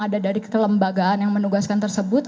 ada dari kelembagaan yang menugaskan tersebut